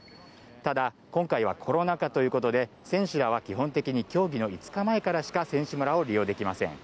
ただ、今回はコロナ禍ということで選手らは基本的に競技の５日前からしか選手村を利用できません。